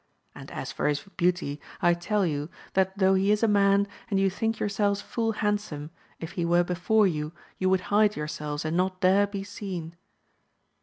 And as for his beauty, I tell you, that though he is a man, and you think your * selves full handsome, if he were before you, you would hide yourselves and not dare be seen.